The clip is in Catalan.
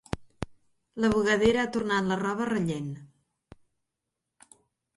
La bugadera ha tornat la roba rellent.